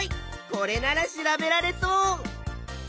これなら調べられそう。